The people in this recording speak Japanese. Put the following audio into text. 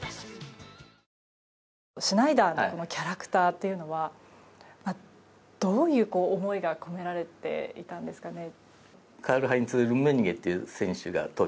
シュナイダーのキャラクターというのはどういう思いが込められていたんですかね。